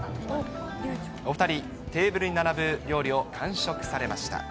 お２人、テーブルに並ぶ料理を完食されました。